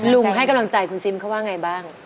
ให้กำลังใจคุณซิมเขาว่าไงบ้าง